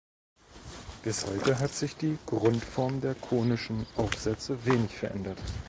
Bis heute hat sich die Grundform der konischen Aufsätze wenig verändert.